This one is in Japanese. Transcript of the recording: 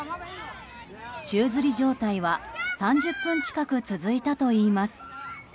宙づり状態は３０分近く続いたといいます。